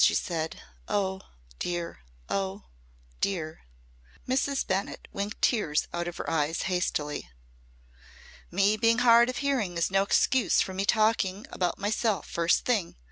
she said. "Oh! dear! Oh! dear!" Mrs. Bennett winked tears out of her eyes hastily. "Me being hard of hearing is no excuse for me talking about myself first thing.